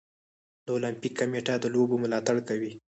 د المپیک کمیټه د لوبو ملاتړ کوي.